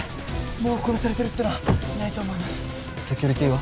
もう殺されてるってのはないと思いますセキュリティーは？